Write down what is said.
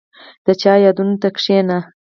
• د چا یادونو ته کښېنه.